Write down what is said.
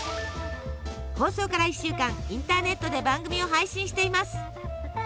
放送から一週間インターネットで番組を配信しています。